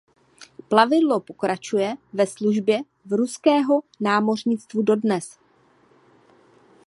Plavidlo pokračuje ve službě v ruského námořnictvu dodnes.